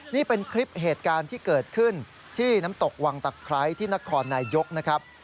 นี่เป็นคลิปเหตุการณ์ที่เกิดขึ้นที่น้ำตกวังตะไคร้ที่นครนายยกนะครับ